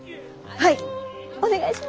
はい！